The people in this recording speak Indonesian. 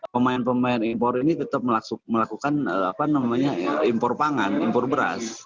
pemain pemain impor ini tetap melakukan impor pangan impor beras